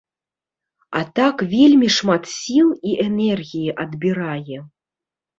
А так вельмі шмат сіл і энергіі адбірае.